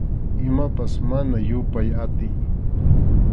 Imapas mana yupay atiy.